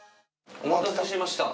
おまたせしました。